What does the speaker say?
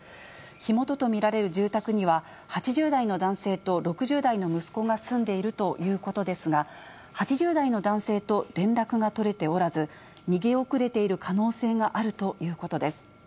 火元と見られる住宅には、８０代の男性と６０代の息子が住んでいるということですが、８０代の男性と連絡が取れておらず、逃げ遅れている可能性があるということです。